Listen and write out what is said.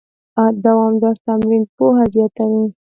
دوامداره تمرین پوهه زیاتوي.